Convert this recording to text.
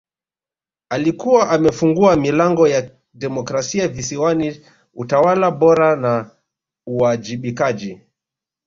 Alikuwa amefungua milango ya demokrasia Visiwani utawala bora na uwajibikaji